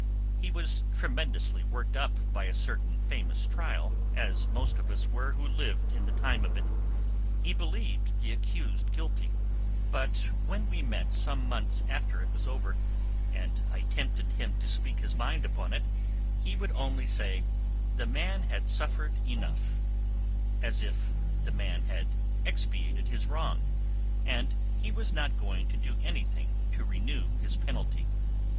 He was tremendously worked up by a certain famous trial, as most of us were who lived in the time of it. He believed the accused guilty, but when we met some months after it was over, and I tempted him to speak his mind upon it, he would only say, the man had suffered enough; as if the man had expiated his wrong, and he was not going to do anything to renew his penalty.